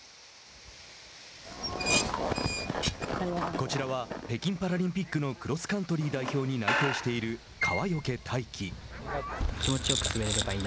こちらは北京パラリンピックのクロスカントリー代表に内定している川除大輝。